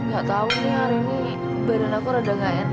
gak tau nih hari ini badan aku rada nggak enak